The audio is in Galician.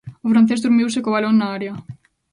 O francés durmiuse co balón na área.